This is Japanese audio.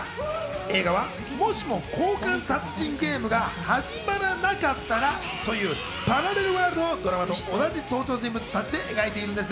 映画はもしも交換殺人ゲームが始まらなかったらというパラレルワールドをドラマと同じ登場人物たちで描いています。